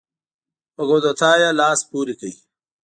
په کودتا یې لاس پورې کړ.